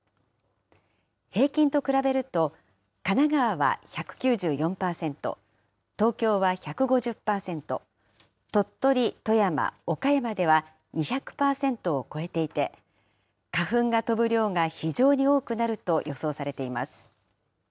平均と比べると神奈川は１９４％、東京は１５０％、鳥取、富山、岡山では２００％を超えていて、花粉が飛ぶ量が非常に多くなると予想されています。